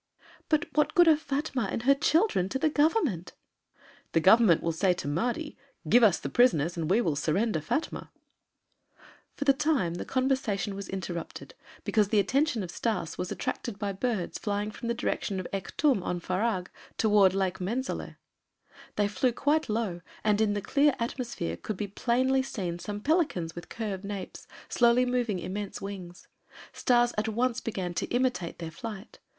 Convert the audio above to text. "But what good are Fatma and her children to the Government?" "The Government will say to the Mahdi, 'Give us the prisoners and we will surrender Fatma' " For the time the conversation was interrupted because the attention of Stas was attracted by birds flying from the direction of Echtum om Farag towards Lake Menzaleh. They flew quite low and in the clear atmosphere could be plainly seen some pelicans with curved napes, slowly moving immense wings. Stas at once began to imitate their flight.